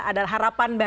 ada harapan baru